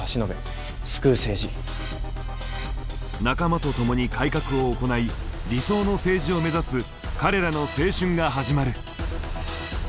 仲間と共に改革を行い理想の政治を目指す彼らの青春が始まる。